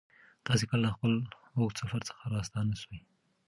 تاسې کله له خپل اوږد سفر څخه راستانه سوئ؟